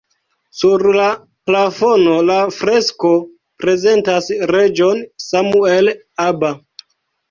Sur la plafono la fresko prezentas reĝon Samuel Aba.